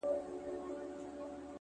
• هغه چي ځان زما او ما د ځان بولي عالمه؛